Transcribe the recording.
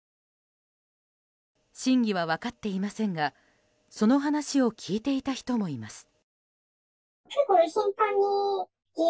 真偽は分かっていませんがその話を聞いていた人もいます。